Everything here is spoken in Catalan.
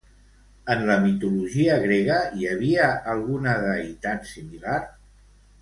En la mitologia grega hi havia alguna deïtat similar?